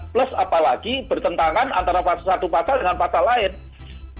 plus apalagi bertentangan antara pasal pasal satu ratus dua puluh dua dan pasal pasal satu ratus dua puluh dua